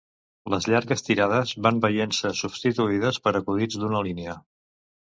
Les llargues tirades van veient-se substituïdes per acudits d'una línia.